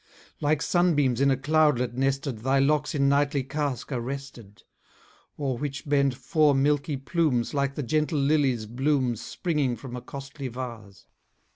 Like sunbeams in a cloudlet nested Thy locks in knightly casque are rested: O'er which bend four milky plumes Like the gentle lilly's blooms Springing from a costly vase.